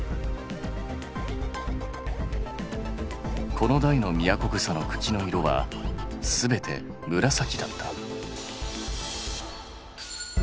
子の代のミヤコグサの茎の色は全て紫だった。